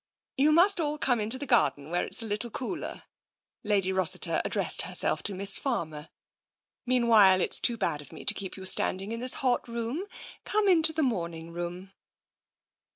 " You must all come into the garden, when it's a little cooler." Lady Rossiter addressed herself to Miss Farmer. " Meanwhile it's too bad of me to keep you standing in this hot room. Come into the morning room."